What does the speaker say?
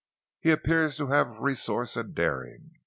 He appears to have resource and daring.